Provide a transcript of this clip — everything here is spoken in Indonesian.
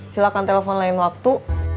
silahkan telepon lain waktu